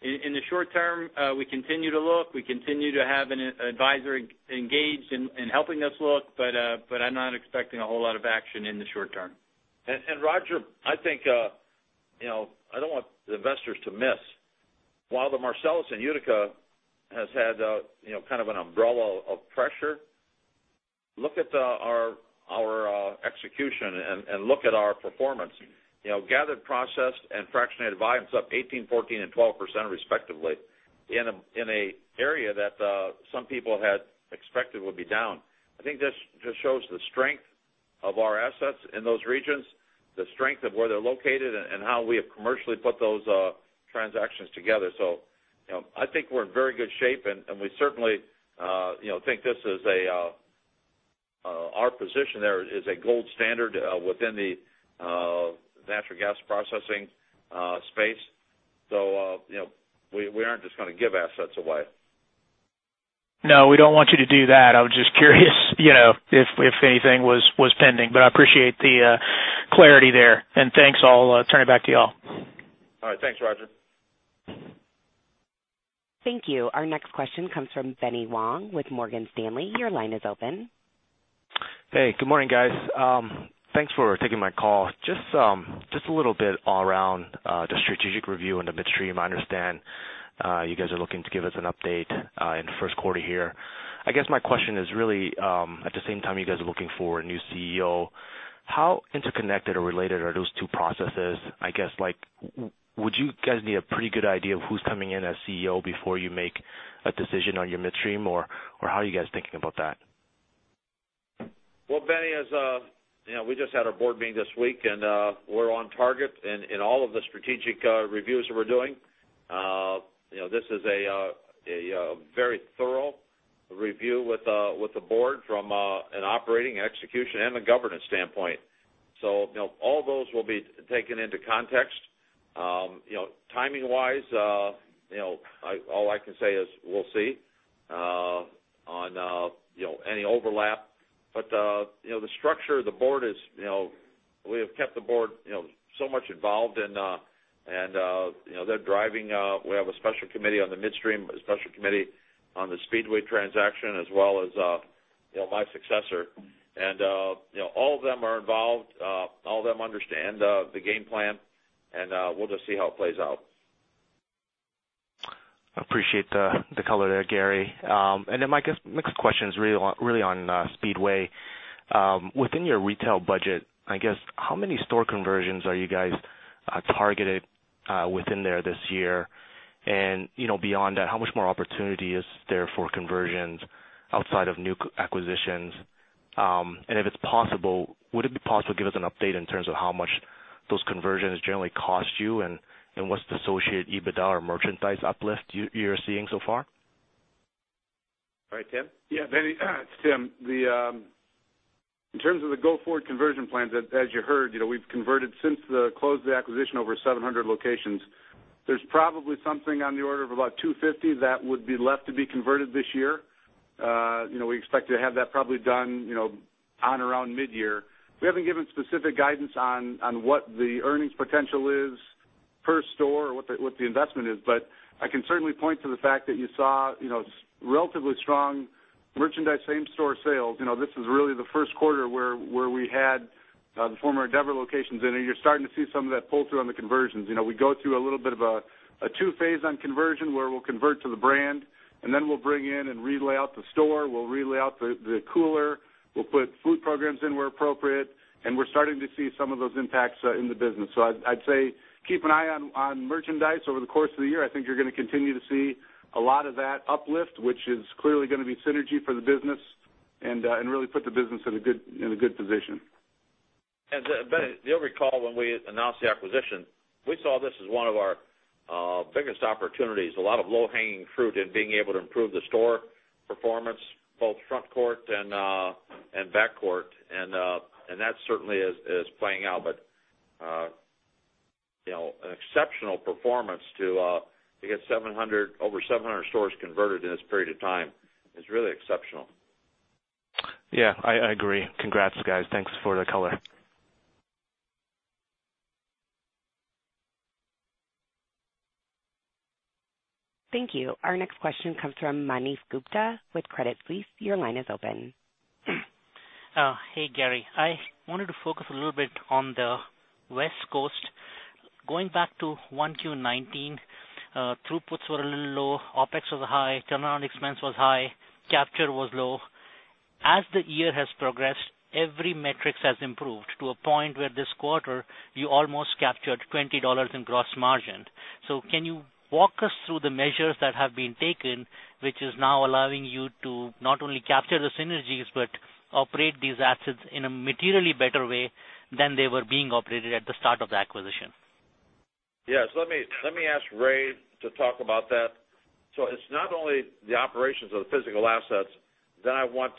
In the short term, we continue to look, we continue to have an advisor engaged in helping us look, but I'm not expecting a whole lot of action in the short term. Roger, I think I don't want the investors to miss. While the Marcellus and Utica has had kind of an umbrella of pressure, look at our execution and look at our performance. Gathered process and fractionated volumes up 18%, 14%, and 12% respectively in an area that some people had expected would be down. I think this just shows the strength of our assets in those regions, the strength of where they're located, and how we have commercially put those transactions together. I think we're in very good shape, and we certainly think our position there is a gold standard within the natural gas processing space. We aren't just going to give assets away. No, we don't want you to do that. I was just curious if anything was pending. I appreciate the clarity there, and thanks. I'll turn it back to you all. All right. Thanks, Roger. Thank you. Our next question comes from Benny Wong with Morgan Stanley, your line is open. Hey. Good morning guys? Thanks for taking my call. Just a little bit around the strategic review in the midstream. I understand you guys are looking to give us an update in the first quarter here. I guess my question is really, at the same time you guys are looking for a new Chief Executive Officer, how interconnected or related are those two processes? I guess, would you guys need a pretty good idea of who's coming in as Chief Executive Officer before you make a decision on your midstream, or how are you guys thinking about that? Well, Benny, we just had our board meeting this week, and we're on target in all of the strategic reviews that we're doing. This is a very thorough review with the Board from an operating, execution, and a governance standpoint. All those will be taken into context. Timing wise, all I can say is we'll see on any overlap. The structure of the Board is we have kept the board so much involved, and they're driving. We have a special committee on the midstream, a special committee on the Speedway transaction, as well as my successor. All of them are involved. All of them understand the game plan, and we'll just see how it plays out. Appreciate the color there, Gary. My next question is really on Speedway. Within your retail budget, I guess, how many store conversions are you guys targeted within there this year? Beyond that, how much more opportunity is there for conversions outside of new acquisitions? If it's possible, would it be possible to give us an update in terms of how much those conversions generally cost you? What's the associated EBITDA or merchandise uplift you're seeing so far? All right, Tim? Yeah, Benny. It's Tim. In terms of the go-forward conversion plans, as you heard, we've converted since the close of the acquisition over 700 locations. There's probably something on the order of about 250 that would be left to be converted this year. We expect to have that probably done on around mid-year. We haven't given specific guidance on what the earnings potential is per store or what the investment is. I can certainly point to the fact that you saw relatively strong merchandise same-store sales. This is really the first quarter where we had the former Andeavor locations in, and you're starting to see some of that pull through on the conversions. We go through a little bit of a two-phase on conversion where we'll convert to the brand, and then we'll bring in and re-lay out the store. We'll re-lay out the cooler. We'll put food programs in where appropriate, and we're starting to see some of those impacts in the business. I'd say keep an eye on merchandise over the course of the year. I think you're going to continue to see a lot of that uplift, which is clearly going to be synergy for the business and really put the business in a good position. Benny, you'll recall when we announced the acquisition, we saw this as one of our biggest opportunities. A lot of low-hanging fruit in being able to improve the store performance, both front court and back court. That certainly is playing out. An exceptional performance to get over 700 stores converted in this period of time is really exceptional. Yeah, I agree. Congrats, guys. Thanks for the color. Thank you. Our next question comes from Manav Gupta with Credit Suisse, your line is open. Hey, Gary. I wanted to focus a little bit on the West Coast. Going back to 1Q 2019, throughputs were a little low, OpEx was high, turnaround expense was high, capture was low. As the year has progressed, every metric has improved to a point where this quarter you almost captured $20 in gross margin. Can you walk us through the measures that have been taken, which is now allowing you to not only capture the synergies, but operate these assets in a materially better way than they were being operated at the start of the acquisition? Let me ask Ray to talk about that. It's not only the operations of the physical assets. I want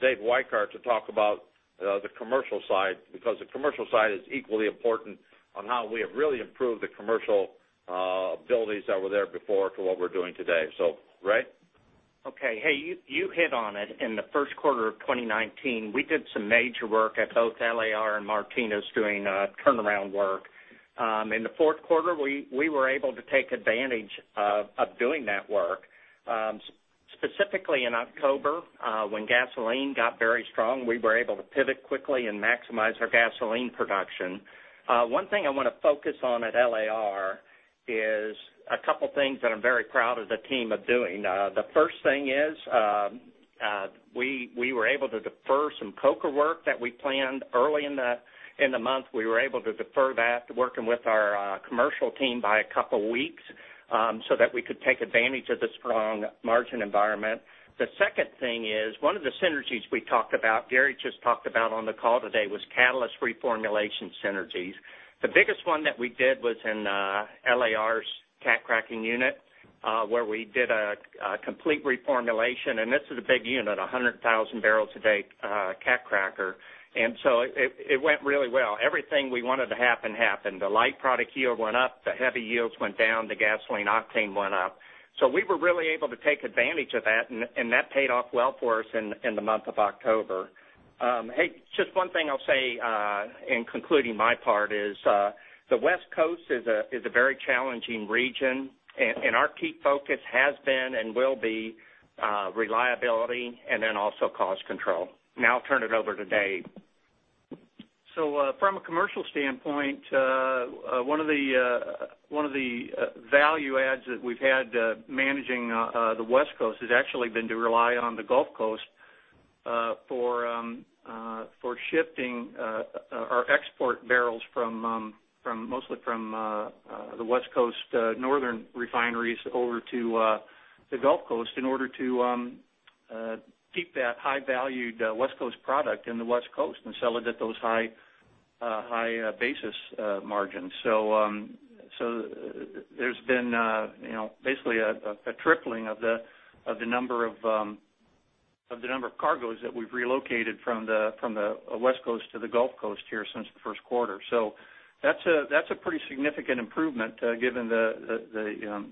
Dave Whikehart to talk about the commercial side, because the commercial side is equally important on how we have really improved the commercial abilities that were there before to what we're doing today. Ray? Okay. Hey, you hit on it. In the first quarter of 2019, we did some major work at both LAR and Martinez doing turnaround work. In the fourth quarter, we were able to take advantage of doing that work. Specifically in October, when gasoline got very strong, we were able to pivot quickly and maximize our gasoline production. One thing I want to focus on at LAR is a couple things that I'm very proud of the team of doing. The first thing is, we were able to defer some coker work that we planned early in the month. We were able to defer that to working with our commercial team by a couple weeks, so that we could take advantage of the strong margin environment. The second thing is, one of the synergies we talked about, Gary just talked about on the call today, was catalyst reformulation synergies. The biggest one that we did was in LAR's cat-cracking unit, where we did a complete reformulation. This is a big unit, 100,000 barrels a day cat cracker. It went really well. Everything we wanted to happen, happened. The light product yield went up, the heavy yields went down, the gasoline octane went up. We were really able to take advantage of that, and that paid off well for us in the month of October. Hey, just one thing I'll say in concluding my part is, the West Coast is a very challenging region, and our key focus has been, and will be, reliability and then also cost control. I'll turn it over to Dave. From a commercial standpoint, one of the value adds that we've had managing the West Coast has actually been to rely on the Gulf Coast for shifting our export barrels mostly from the West Coast northern refineries over to the Gulf Coast in order to keep that high valued West Coast product in the West Coast and sell it at those high basis margins. There's been basically a tripling of the number of cargoes that we've relocated from the West Coast to the Gulf Coast here since the first quarter. That's a pretty significant improvement given the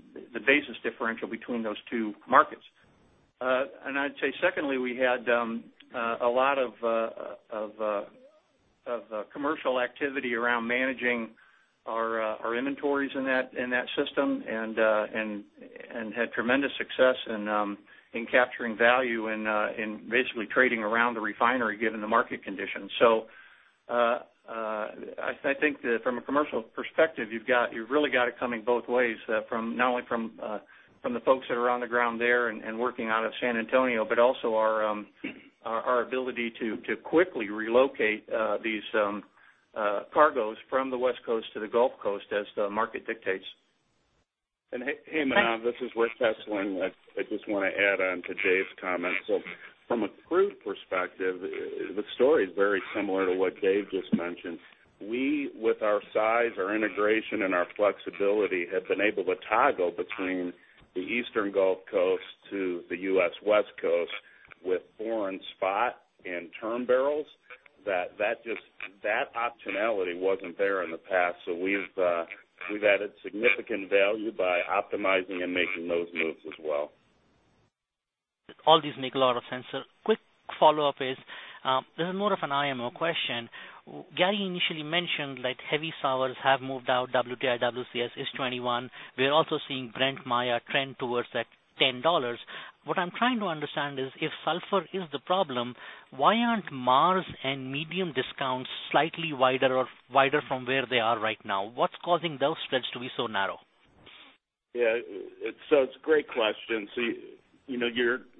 basis differential between those two markets. I'd say secondly, we had a lot of commercial activity around managing our inventories in that system and had tremendous success in capturing value in basically trading around the refinery, given the market conditions. I think that from a commercial perspective, you've really got it coming both ways, from not only from the folks that are on the ground there and working out of San Antonio, but also our ability to quickly relocate these cargoes from the West Coast to the Gulf Coast as the market dictates. Hey, Manav, this is Rick Hessling. I just want to add on to Dave's comments. From a crude perspective, the story is very similar to what Dave just mentioned. We, with our size, our integration, and our flexibility, have been able to toggle between the Eastern Gulf Coast to the U.S. West Coast with foreign spot and term barrels. That optionality wasn't there in the past. We've added significant value by optimizing and making those moves as well. All these make a lot of sense. Quick follow-up is, this is more of an IMO question. Gary initially mentioned like heavy sours have moved out WTI, WCS is 21. We are also seeing Brent-Maya trend towards that $10. What I'm trying to understand is, if sulfur is the problem, why aren't Mars and medium discounts slightly wider or wider from where they are right now? What's causing those spreads to be so narrow? Yeah. It's a great question.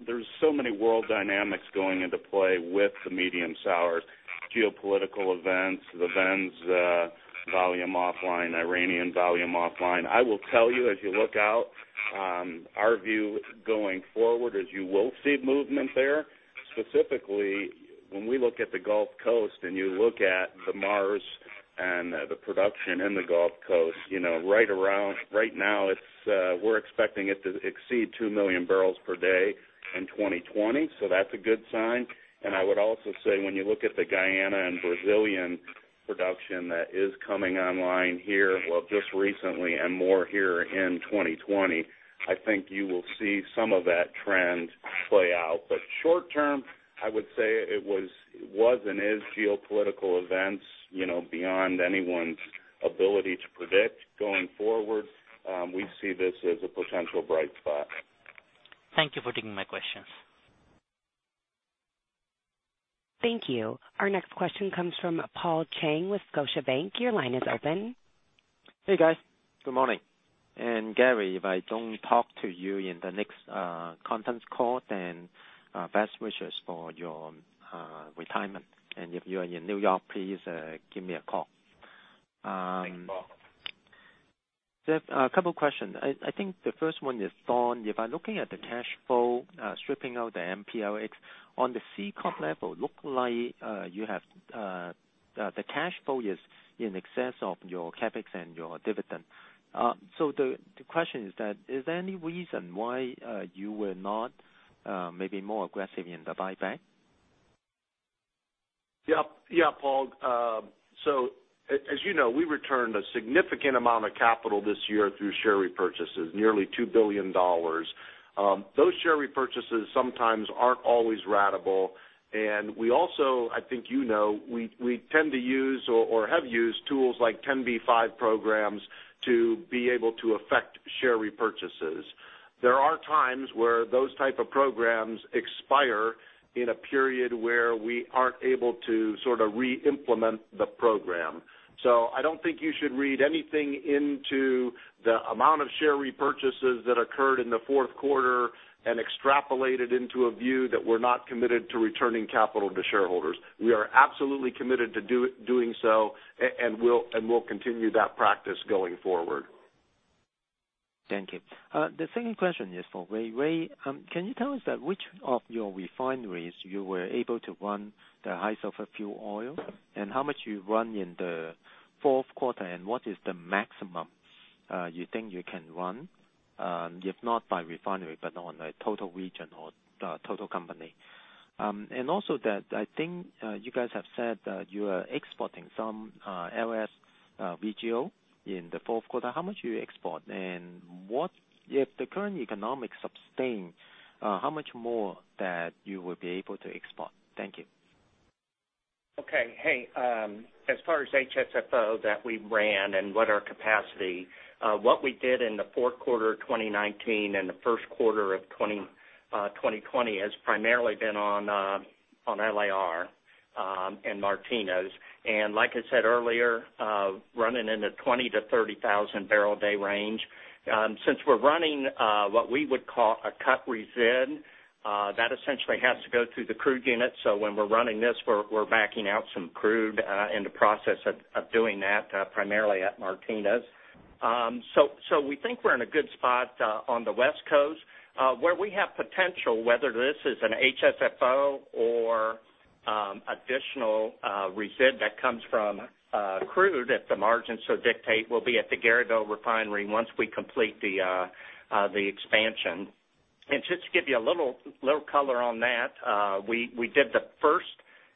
There's so many world dynamics going into play with the medium sours, geopolitical events, the Venezuela volume offline, Iranian volume offline. I will tell you, as you look out, our view going forward is you will see movement there. Specifically, when we look at the Gulf Coast and you look at the Mars and the production in the Gulf Coast, right now we're expecting it to exceed 2 million barrels per day in 2020, so that's a good sign. I would also say when you look at the Guyana and Brazilian production that is coming online here, well, just recently and more here in 2020, I think you will see some of that trend play out. Short term, I would say it was and is geopolitical events beyond anyone's ability to predict going forward. We see this as a potential bright spot. Thank you for taking my questions. Thank you. Our next question comes from Paul Cheng with Scotiabank, your line is open. Hey guys, good morning? Gary, if I don't talk to you in the next conference call, best wishes for your retirement. If you are in New York, please give me a call. Thanks, Paul. A couple questions. I think the first one is, Don, if I'm looking at the cash flow, stripping out the MPLX, on the C-corp level, look like the cash flow is in excess of your CapEx and your dividend. The question is that, is there any reason why you were not maybe more aggressive in the buyback? Yep. Paul, as you know, we returned a significant amount of capital this year through share repurchases, nearly $2 billion. Those share repurchases sometimes aren't always ratable, and we also, I think you know, we tend to use or have used tools like 10b5-1 programs to be able to affect share repurchases. There are times where those type of programs expire in a period where we aren't able to re-implement the program. I don't think you should read anything into the amount of share repurchases that occurred in the fourth quarter and extrapolate it into a view that we're not committed to returning capital to shareholders. We are absolutely committed to doing so, and we'll continue that practice going forward. Thank you. The second question is for Ray. Ray, can you tell us that which of your refineries you were able to run the high sulfur fuel oil? How much you run in the fourth quarter, and what is the maximum you think you can run, if not by refinery, but on a total region or total company? Also that I think you guys have said that you are exporting some LS VGO in the fourth quarter. How much do you export, and if the current economics sustains, how much more that you would be able to export? Thank you. As far as HSFO that we ran and what our capacity, what we did in the fourth quarter 2019 and the first quarter of 2020 has primarily been on LAR and Martinez. Like I said earlier, running in the 20,000 bpd-30,000 bpd range. Since we're running what we would call a cut resid, that essentially has to go through the crude unit. When we're running this, we're backing out some crude in the process of doing that primarily at Martinez. We think we're in a good spot on the West Coast. Where we have potential, whether this is an HSFO or additional resid that comes from crude if the margins so dictate will be at the Garyville Refinery once we complete the expansion. Just to give you a little color on that, we did the first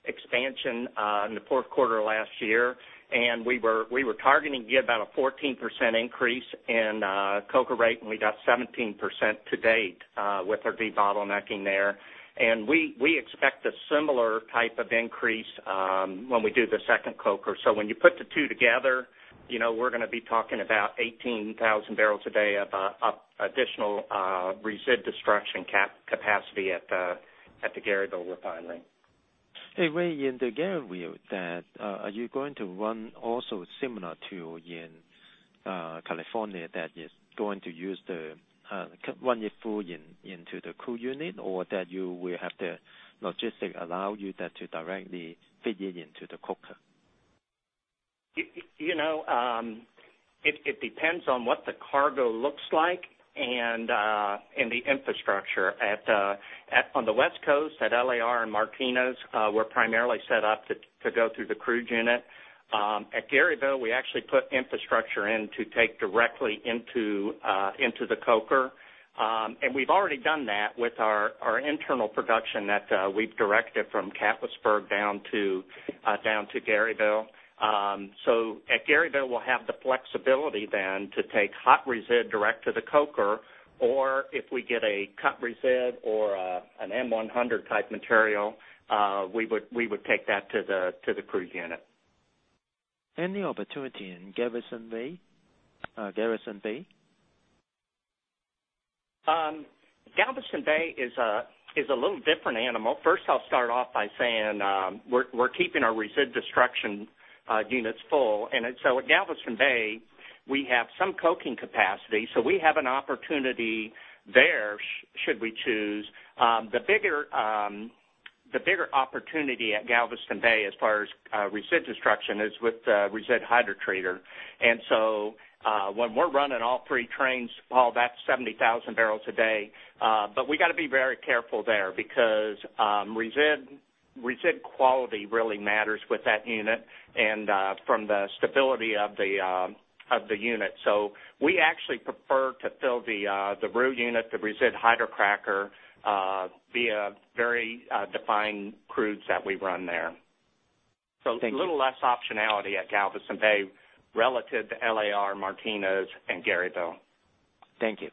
expansion in the fourth quarter last year, and we were targeting to get about a 14% increase in coker rate, and we got 17% to date with our debottlenecking there. We expect a similar type of increase when we do the second coker. When you put the two together, we're going to be talking about 18,000 bpd of additional resid destruction capacity at the Garyville refinery. Hey, Ray, in the Garyville, are you going to run also similar to in California that is going to use the cut one full into the crude unit or that you will have the logistics allow you that to directly feed it into the coker? It depends on what the cargo looks like and the infrastructure. On the West Coast at LAR and Martinez, we're primarily set up to go through the crude unit. At Garyville, we actually put infrastructure in to take directly into the coker. We've already done that with our internal production that we've directed from Catlettsburg down to Garyville. At Garyville, we'll have the flexibility then to take hot resid direct to the coker, or if we get a cut resid or an M-100 type material, we would take that to the crude unit. Any opportunity in Galveston Bay? Galveston Bay is a little different animal. I'll start off by saying we're keeping our resid destruction units full. At Galveston Bay, we have some coking capacity, we have an opportunity there should we choose. The bigger opportunity at Galveston Bay as far as resid destruction is with the resid hydrotreater. When we're running all three trains, Paul, that's 70,000 bpd. We got to be very careful there because resid quality really matters with that unit and from the stability of the unit. We actually prefer to fill the RHU unit, the resid hydrocracker via very defined crudes that we run there. Thank you. A little less optionality at Galveston Bay relative to LAR, Martinez, and Garyville. Thank you.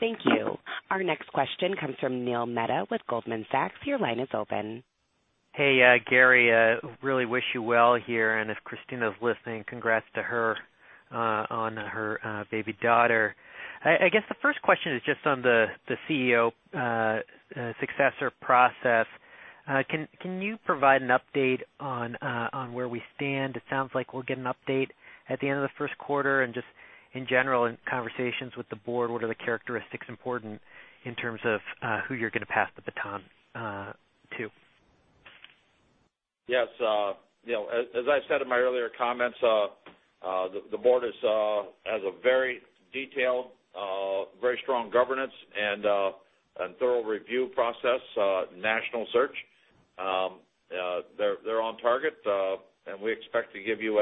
Thank you. Our next question comes from Neil Mehta with Goldman Sachs, your line is open. Hey, Gary, really wish you well here, and if Kristina is listening, congrats to her on her baby daughter. I guess the first question is just on the Chief Executive Officer successor process. Can you provide an update on where we stand? It sounds like we'll get an update at the end of the first quarter. Just in general, in conversations with the board, what are the characteristics important in terms of who you're going to pass the baton to? Yes. Neil, as I said in my earlier comments, the Board has a very detailed, very strong governance and thorough review process, national search. They're on target. We expect to give you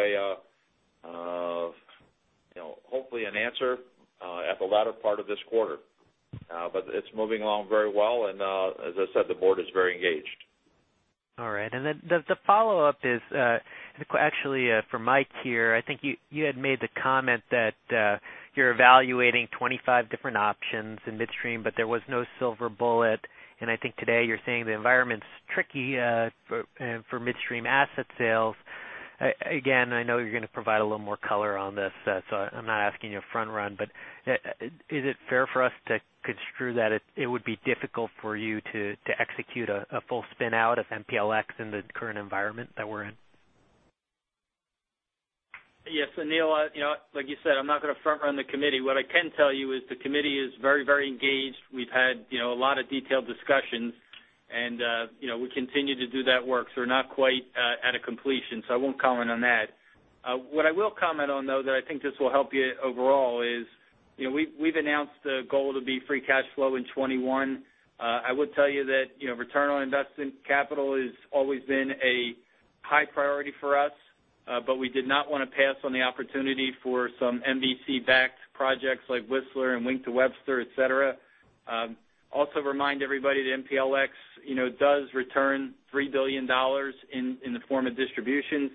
hopefully an answer at the latter part of this quarter. It's moving along very well. As I said, the Board is very engaged. All right. The follow-up is actually for Mike here. I think you had made the comment that you're evaluating 25 different options in midstream, but there was no silver bullet. I think today you're saying the environment's tricky for midstream asset sales. Again, I know you're going to provide a little more color on this, so I'm not asking you to front run, but is it fair for us to construe that it would be difficult for you to execute a full spin-out of MPLX in the current environment that we're in? Yes. Neil, like you said, I'm not going to front run the committee. What I can tell you is the committee is very engaged. We've had a lot of detailed discussions, and we continue to do that work. We're not quite at a completion, so I won't comment on that. What I will comment on, though, that I think this will help you overall is we've announced a goal to be free cash flow in 2021. I would tell you that return on investment capital has always been a high priority for us, but we did not want to pass on the opportunity for some MPC-backed projects like Whistler and Wink to Webster, et cetera. Also remind everybody that MPLX does return $3 billion in the form of distributions.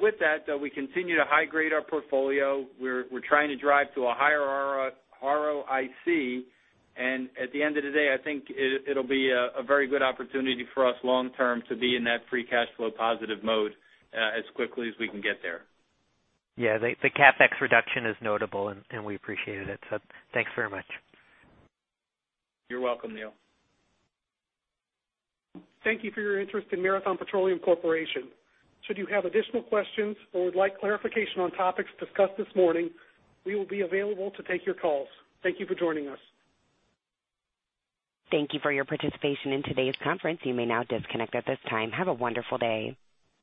With that, though, we continue to high-grade our portfolio. We're trying to drive to a higher ROIC. At the end of the day, I think it'll be a very good opportunity for us long term to be in that free cash flow positive mode as quickly as we can get there. Yeah. The CapEx reduction is notable. We appreciated it. Thanks very much. You're welcome, Neil. Thank you for your interest in Marathon Petroleum Corporation. Should you have additional questions or would like clarification on topics discussed this morning, we will be available to take your calls. Thank you for joining us. Thank you for your participation in today's conference, you may now disconnect at this time. Have a wonderful day.